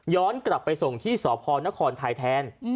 กลับไปส่งที่สพนครไทยแทน